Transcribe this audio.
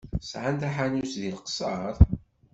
Sɛan taḥanut deg Leqṣeṛ?